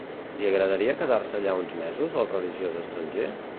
Li agradaria quedar-se allà uns mesos al religiós estranger?